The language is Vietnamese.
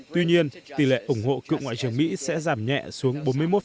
tuy nhiên tỷ lệ ủng hộ cựu ngoại trưởng mỹ sẽ giảm nhẹ xuống bốn mươi một